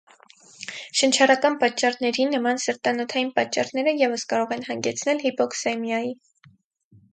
Շնչառական պատճառների նման սրտանոթային պատճառները ևս կարող են հանգեցնել հիպօքսեմիայի։